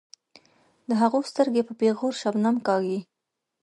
د هغو سترګې په پیغور شبنم کاږي.